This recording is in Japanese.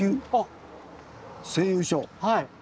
はい。